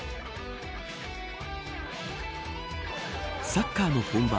サッカーの本場